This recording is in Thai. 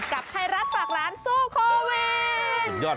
กับไทยรัฐฝากร้านสู้โควิด